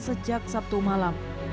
sejak sabtu malam